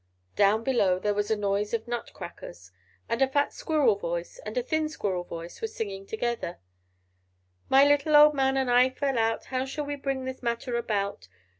Down below there was a noise of nut crackers, and a fat squirrel voice and a thin squirrel voice were singing together "My little old man and I fell out, How shall we bring this matter about?